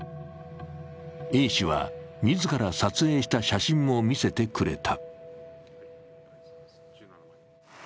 Ａ氏は、自ら撮影した写真を見せてくれた。